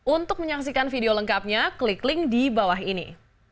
untuk menyaksikan video lengkapnya klik link di bawah ini